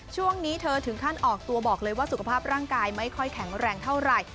ช่วงนี้เธอถึงขั้นออกตัวบอกเลยว่าสุขภาพร่างกายไม่ค่อยแข็งแรงเท่าไหร่